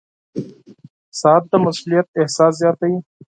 • ساعت د مسؤولیت احساس زیاتوي.